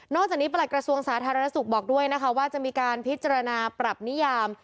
จากนี้ประหลักกระทรวงสาธารณสุขบอกด้วยนะคะว่าจะมีการพิจารณาปรับนิยาม